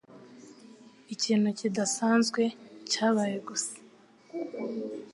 Ikintu kidasanzwe cyabaye gusa.